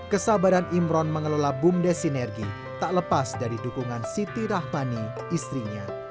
kesabaran imron mengelola bumdes sinergi tak lepas dari dukungan siti rahmani istrinya